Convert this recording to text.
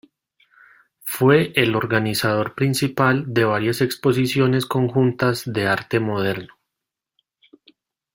Fue el organizador principal de varias exposiciones conjuntas de arte moderno.